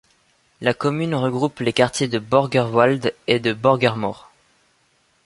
La commune regroupe les quartiers de Börgerwald et de Börgermoor.